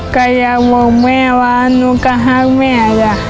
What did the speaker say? ก็อยากบอกแม่ว่าหนูข้องแม่อ่ะจ๊ะ